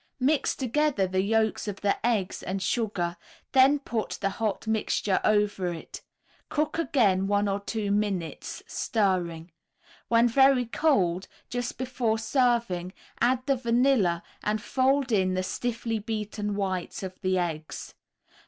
Mix together the yolks of the eggs and sugar, then pour the hot mixture over it; cook again one or two minutes, stirring. When very cold, just before serving, add the vanilla and fold in the stiffly beaten whites of the eggs.